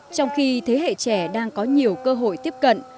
trong khi thế hệ trẻ đang có nhiều cơ hội tiếp cận